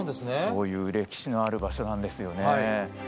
そういう歴史のある場所なんですね。